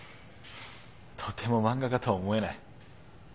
とても漫画家とは思えない。